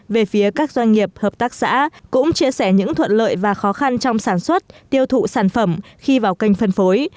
về phía các doanh nghiệp hợp tác xã cũng chia sẻ những thuận lợi và khó khăn trong sản xuất tiêu thụ sản phẩm khi vào kênh phân phối